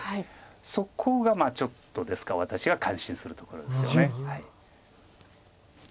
そこがちょっとですから私が感心するところですよね。